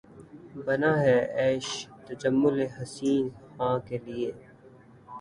بنا ہے عیش تجمل حسین خاں کے لیے